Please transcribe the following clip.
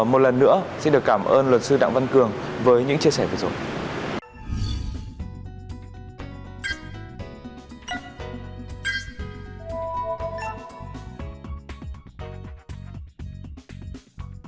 một lần nữa xin được cảm ơn luật sư đặng văn cường với những chia sẻ vừa rồi